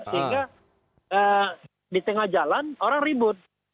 sehingga di tengah jalan orang ribut